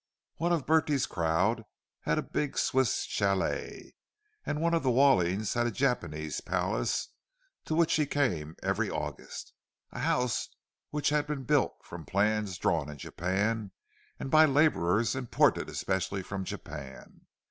One of Bertie's crowd had a big Swiss chalet; and one of the Wallings had a Japanese palace to which he came every August—a house which had been built from plans drawn in Japan, and by labourers imported especially from Japan.